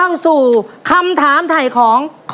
แล้ววันนี้ผมมีสิ่งหนึ่งนะครับเป็นตัวแทนกำลังใจจากผมเล็กน้อยครับ